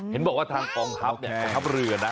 เห็นบอกว่าทางกองทัพเนี่ยกองทัพเรือนะ